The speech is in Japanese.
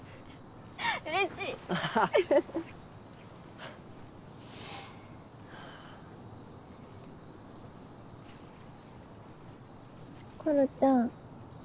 嬉しいころちゃん